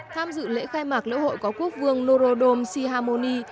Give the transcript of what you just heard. tham dự lễ khai mạc lễ hội có quốc vương norodom sihamoni